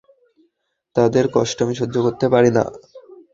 তাদের কষ্ট আমি সহ্য করতে পারি না।